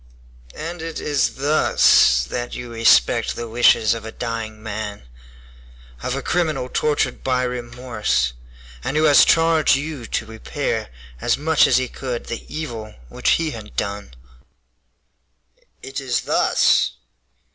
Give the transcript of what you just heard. "And it is thus that you respect the wishes of a dying man, of a criminal tortured by remorse, and who has charge you to repair as much as he could the evil which he had done?" "It is thus."